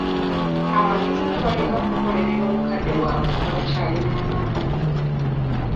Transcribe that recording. Abavubuka balina okukolerera obukadde bwabwe nga bakyalina amaanyi.